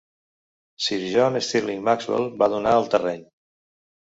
Sir John Stirling-Maxwell va donar el terreny.